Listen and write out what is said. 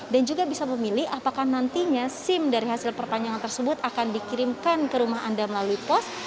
dan juga bisa memilih apakah nantinya sim dari hasil perpanjangan tersebut akan dikirimkan ke rumah anda melalui pos